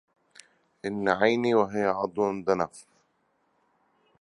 إن عيني وهي عضو دنف